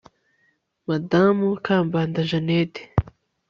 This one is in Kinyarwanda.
madamu kambanda janet